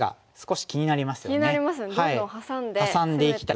気になりますねどんどんハサんで攻めていきたく。